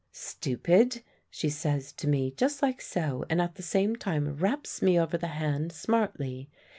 'Stupid!' she says to me, just like so, and at the same time raps me over the hand smartly.